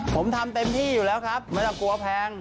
ผมทำเต็มที่อยู่แล้วครับไม่ต้องกลัวแพง